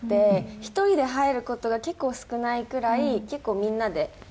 １人で入る事が結構少ないくらい結構みんなでもう。